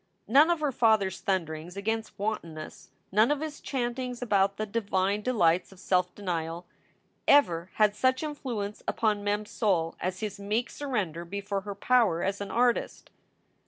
None of her father s thunderings against wantonness, none of his chantings about the divine delights of self denial, ever had such influence upon Mem s soul as his meek sur render before her power as an artist.